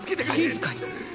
静かに！